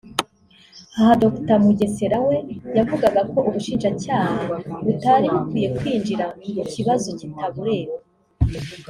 Aha Dr Mugesera we yavugaga ko ubushinjacyaha butari bukwiye kwinjira mu kibazo kitabureba